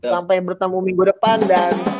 sampai bertemu minggu depan dan